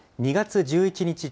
２月１１日